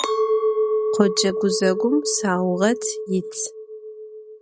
Khoce guzegum sauğet yit.